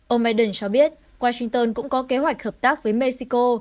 ông biden cho biết washington cũng có kế hoạch hợp tác với mexico